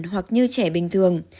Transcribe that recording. hoặc như trẻ bình thường